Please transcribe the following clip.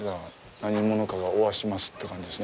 何者かがおわしますって感じですね